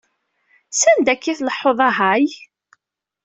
S anda akk i tleḥḥuḍ a Hey?